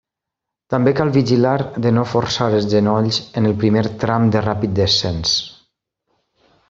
També cal vigilar de no forçar els genolls en el primer tram de ràpid descens.